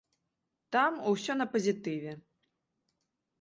Там усё на пазітыве.